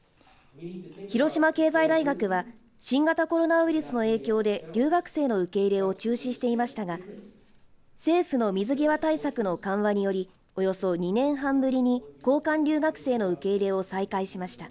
広島経済大学は新型コロナウイルスの影響で留学生の受け入れを中止していましたが政府の水際対策の緩和によりおよそ２年半ぶりに交換留学生の受け入れを再開しました。